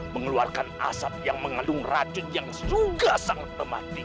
mengeluarkan asap yang mengandung racun yang juga sangat lemah